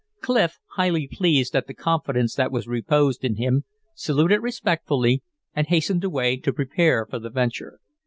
Clif, highly pleased at the confidence that was reposed in him, saluted respectfully and hastened away to prepare for the venture.